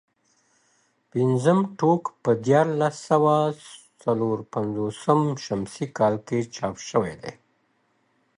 پنځم ټوک په دیارلس سوه څلور پنځوس شمسي کال کې چاپ شوی دی.